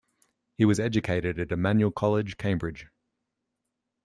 He was educated at Emmanuel College, Cambridge.